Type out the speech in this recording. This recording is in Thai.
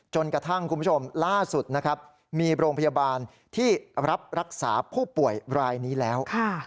คุณผู้ชมล่าสุดมีโรงพยาบาลที่รับรักษาผู้ป่วยรายนี้แล้ว